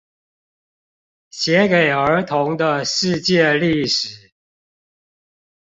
寫給兒童的世界歷史